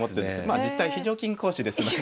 まあ実態非常勤講師ですので。